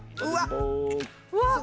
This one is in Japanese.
うわっ！